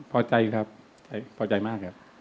พอใจครับพอใจมากครับ